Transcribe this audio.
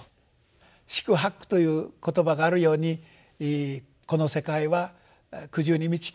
四苦八苦という言葉があるようにこの世界は苦渋に満ちている苦に満ちていると。